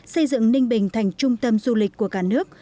xây dựng ninh bình thành trung tâm du lịch của cả nước